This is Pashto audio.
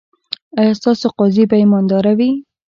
ایا ستاسو قاضي به ایماندار وي؟